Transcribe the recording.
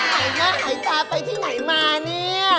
หายหน้าหายตาไปที่ไหนมาเนี่ย